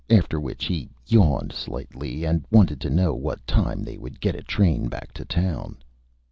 After which he Yawned slightly, and wanted to know what Time they would get a Train back to Town.